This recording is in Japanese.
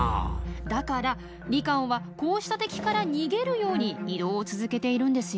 だからリカオンはこうした敵から逃げるように移動を続けているんですよ。